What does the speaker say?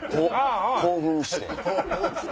興奮して。